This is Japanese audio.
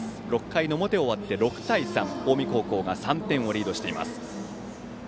６回の表が終わって６対３、近江高校が３点をリードしています。